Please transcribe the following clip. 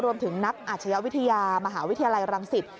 รวมถึงนักอาชญาวิทยามหาวิทยาลัยรังสิต